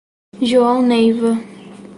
João Neiva